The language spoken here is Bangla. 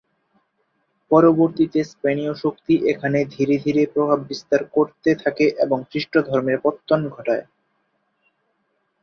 পরবর্তীতে স্পেনীয় শক্তি এখানে ধীরে ধীরে প্রভাব বিস্তার করতে থাকে এবং খ্রিস্টধর্মের পত্তন ঘটায়।